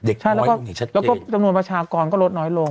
ใช่แล้วก็จำนวนประชากรก็ลดน้อยลง